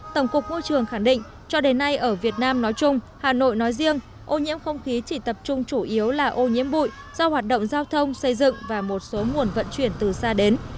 tổng cục môi trường khẳng định cho đến nay ở việt nam nói chung hà nội nói riêng ô nhiễm không khí chỉ tập trung chủ yếu là ô nhiễm bụi do hoạt động giao thông xây dựng và một số nguồn vận chuyển từ xa đến